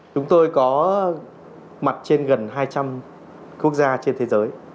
chúng tôi có mặt trên gần hai trăm linh quốc gia trên thế giới